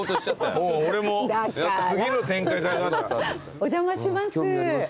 お邪魔します。